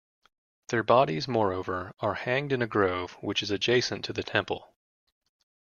Their bodies, moreover, are hanged in a grove which is adjacent to the temple.